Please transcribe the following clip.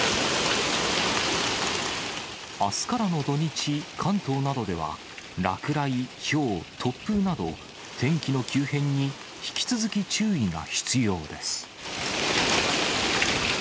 あすからの土日、関東などでは、落雷、ひょう、突風など、天気の急変に引き続き注意が必要です。